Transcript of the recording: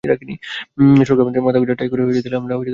সরকার আমাদের মাথা গোঁজার ঠাঁই করে দিলে আমরা পাহাড় ছেড়ে চলে যাব।